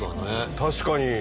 確かに。